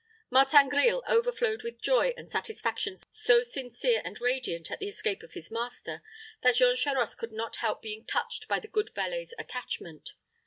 Martin Grille overflowed with joy and satisfaction so sincere and radiant at the escape of his master, that Jean Charost could not help being touched by the good valet's attachment.